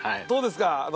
どうですか？